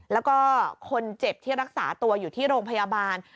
แล้วก็คนเจ็บที่รักษาตัวอยู่ที่โรงพยาบาล